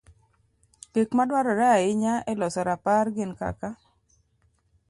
Gik ma dwarore ahinya e loso rapar gin kaka: